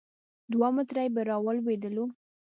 دوه متره به راولوېدو.